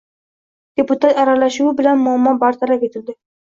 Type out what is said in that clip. Deputat aralashuvi bilan muammo bartaraf etilding